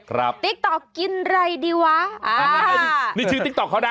ติ๊กต๊อกกินอะไรดีวะอ่านี่ชื่อติ๊กต๊อกเขานะ